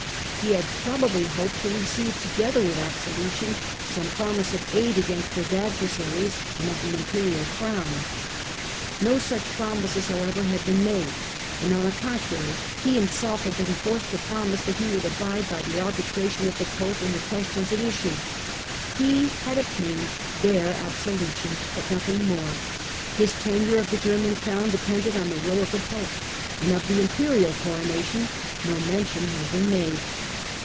He had probably hoped to receive, together with absolution, some promise of aid against his adversaries and of the imperial crown. No such promises, however, had been made ; on the con trary, he himself had been forced to promise that he would abide by the arbitration of the pope in the questions at issue. He had obtained hwre absolution, but nothing more; his tenure of the German crown depended on the will of the pope, and of the imperial coronation no mention had been made.